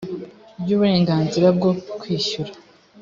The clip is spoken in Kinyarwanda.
ry uburenganzira bwo kwishyura